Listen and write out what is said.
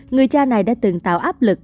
người cha này đã từng tạo áp lực